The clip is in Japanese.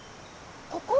ここ？